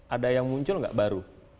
ada yang muncul nggak baru